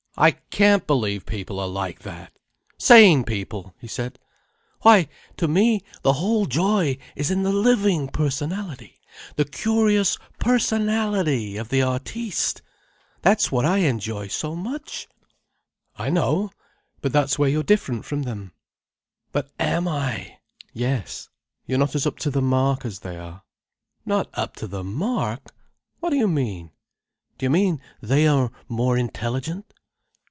"I can't believe people are like that!—sane people!" he said. "Why, to me the whole joy is in the living personality, the curious personality of the artiste. That's what I enjoy so much." "I know. But that's where you're different from them." "But am I?" "Yes. You're not as up to the mark as they are." "Not up to the mark? What do you mean? Do you mean they are more intelligent?"